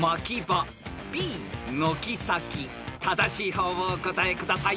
［正しい方をお答えください］